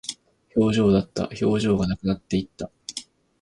表情だった。表情がなくなっていた。